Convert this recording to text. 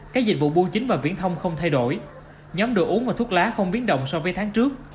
các dịch vụ bưu chính và viễn thông không thay đổi nhóm đồ uống và thuốc lá không biến động so với tháng trước